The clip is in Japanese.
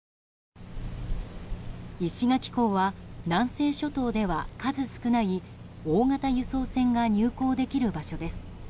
石垣港は南西諸島では数少ない大型輸送船が入港できる場所です。